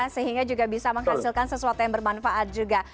sehingga juga bisa menghasilkan sesuatu yang bermanfaat juga